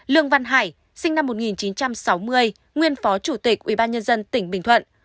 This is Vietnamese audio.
lương văn hải sinh năm một nghìn chín trăm sáu mươi nguyên phó chủ tịch ubnd tỉnh bình thuận